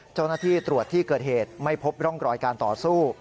เจ้าหน้าที่ตรวจที่เกิดเหตุไม่พบร่องรอยการต่อสู้